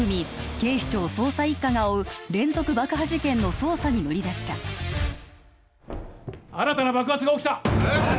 警視庁捜査一課が追う連続爆破事件の捜査に乗り出した新たな爆発が起きたえっ！？